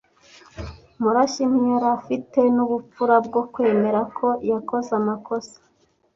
Murashyi ntiyari afite n'ubupfura bwo kwemera ko yakoze amakosa.